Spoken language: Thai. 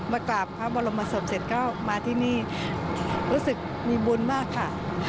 กราบพระบรมศพเสร็จก็มาที่นี่รู้สึกมีบุญมากค่ะ